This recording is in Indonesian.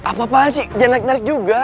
apa apaan sih jangan naik naik juga